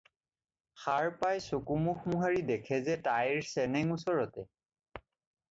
সাৰ পাই চকু-মুখ মোহাৰি দেখে যে তাইৰ চেনেঙ ওচৰতে।